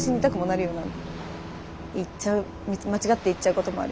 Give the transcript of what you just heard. いっちゃう間違っていっちゃうこともあるよね。